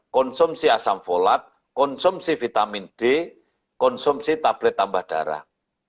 konsumsi asam folat konsumsi vitamin d konsumsi tablet tambah darah